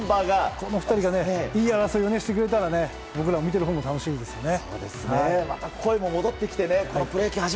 この２人がいい争いをしてくれたら僕ら見てるほうも楽しいですからね。